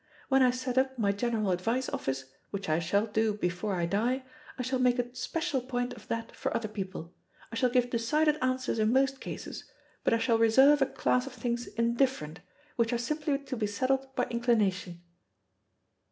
When I set up my general advice office, which I shall do before I die, I shall make a special point of that for other people. I shall give decided answers in most cases, but I shall reserve a class of things indifferent, which are simply to be settled by inclination."